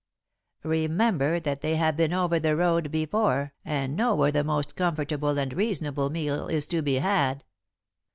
Remember that they have been over the road before and know where the most comfortable and reasonable meal is to be had.